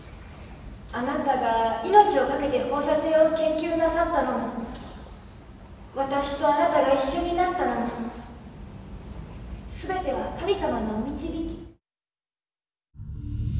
あなたが命をかけて放射線を研究なさったのも私とあなたが一緒になったのも全ては神様のお導き。